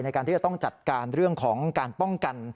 ในการที่จะต้องจัดการเรื่องของการป้องกัน